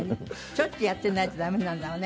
しょっちゅうやってないとダメなんだわね